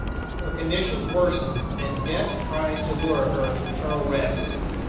Her conditions worsens and Death tries to lure her to eternal rest.